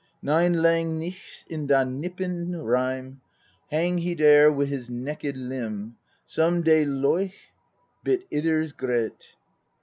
Nine lang nichts in da nippin rime Hang he dare wi' his neked limb. Some dey leuch, Bitt idders gret.